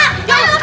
aduh ustadz buta